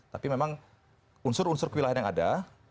tapi memang unsur unsur kewilayahan yang ada